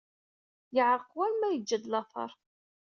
Yeɛṛeq war ma yeǧǧa-d lateṛ.